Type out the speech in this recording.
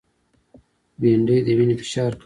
بېنډۍ د وینې فشار کموي